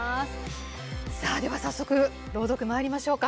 では、早速、朗読まいりましょうか。